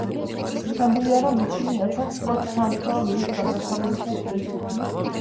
ცნობილია, რომ ისინი ერთად მხოლოდ ფრანსუა ლუის გარდაცვალებისას შეიკრიბნენ.